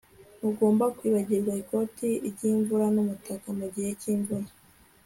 ntugomba kwibagirwa ikoti ry'imvura n'umutaka mu gihe cy'imvura